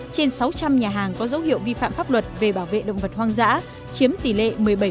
trên sáu trăm linh nhà hàng có dấu hiệu vi phạm pháp luật về bảo vệ động vật hoang dã chiếm tỷ lệ một mươi bảy